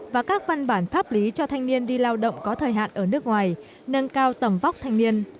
và các văn bản pháp lý cho thanh niên đi lao động có thời hạn ở nước ngoài nâng cao tầm vóc thanh niên